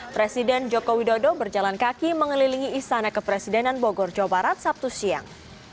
presiden joko widodo berjalan kaki mengelilingi istana kepresidenan bogor jawa barat sabtu siang